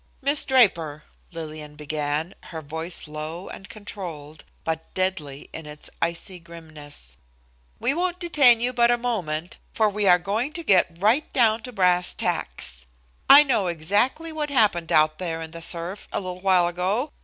"Miss Draper," Lillian began, her voice low and controlled, but deadly in its icy grimness, "we won't detain you but a moment, for we are going to get right down to brass tacks. "I know exactly what happened out there in the surf a little while ago.